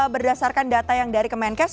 berdasarkan data yang dari kemenkes